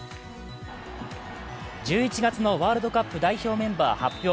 １１月のワールドカップ代表メンバー発表